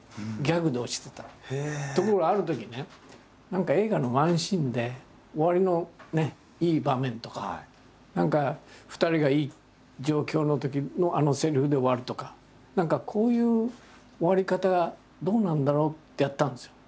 何か映画のワンシーンで終わりのいい場面とか何か２人がいい状況のときのあのせりふで終わるとか何かこういう終わり方どうなんだろうってやったんですよ。